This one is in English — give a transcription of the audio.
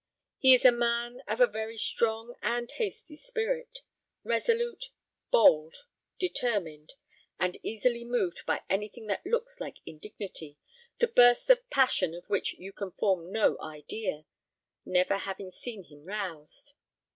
He is a man of a very strong and hasty spirit: resolute, bold, determined, and easily moved by anything that looks like indignity, to bursts of passion of which you can form no idea, never having seen him roused.